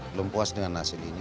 belum puas dengan hasil ini